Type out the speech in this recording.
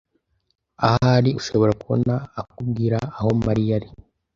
Ahari ushobora kubona akubwira aho Mariya ari.